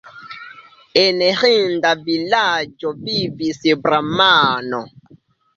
En ĥinda vilaĝo vivis bramano.